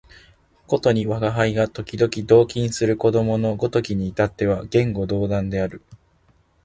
ことに吾輩が時々同衾する子供のごときに至っては言語道断である